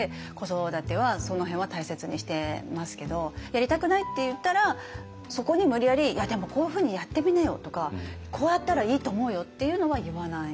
「やりたくない」って言ったらそこに無理やり「いやでもこういうふうにやってみなよ」とか「こうやったらいいと思うよ」っていうのは言わない。